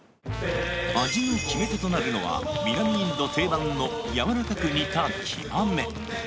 味の決め手となるのは南インド定番のやわらかく煮たキマメ